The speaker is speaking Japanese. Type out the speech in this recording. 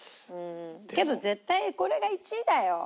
けど絶対これが１位だよ。